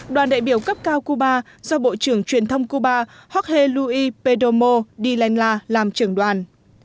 đoàn đại biểu cấp cao cuba do bộ trưởng truyền thông cuba jorge luis perdomo de lanla làm trưởng đoàn